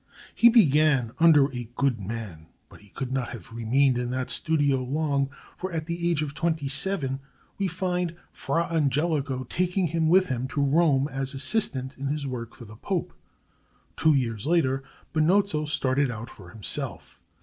He began under a good man. But he could not have remained in that studio long; for at the age of twenty seven we find Fra Angelico taking him with him to Rome as assistant in his work for the Pope. Two years later Benozzo started out for himself.